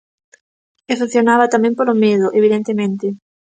E funcionaba tamén polo medo, evidentemente.